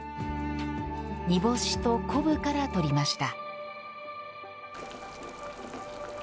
煮干しと昆布からとりました。